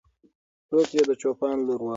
څوک یې د چوپان لور وه؟